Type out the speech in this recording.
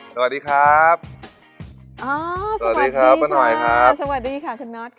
สวัสดีครับอ๋อสวัสดีครับสวัสดีค่ะสวัสดีค่ะคุณนอทค่ะ